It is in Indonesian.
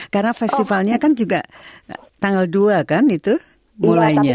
karena festivalnya kan juga tanggal dua kan itu mulainya